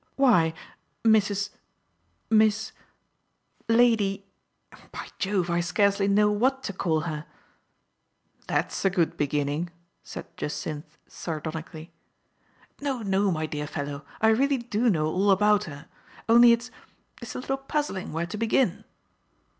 Why, Mrs. — Miss — Lady — by Jove, I scarcely know what to call her !"That's a good beginning, said Jacynth sar donically. " No, no, my dear fellow, I really do know all about her ; only it's — it's a little puzzling where to begin."